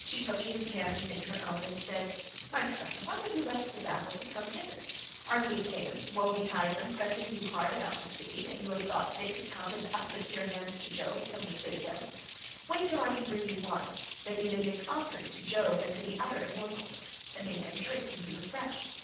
She took his hand within her own and said, "My son, why have you left the battle to come hither? Are the Achaeans, woe betide them, pressing you hard about the city that you have thought fit to come and uplift your hands to Jove from the citadel? Wait till I can bring you wine that you may make offering to Jove and to the other immortals, and may then drink and be refreshed.